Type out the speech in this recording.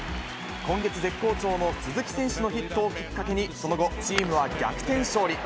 今月、絶好調の鈴木選手のヒットをきっかけに、その後、チームは逆転勝利。